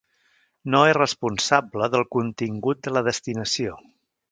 No és responsable del contingut de la destinació.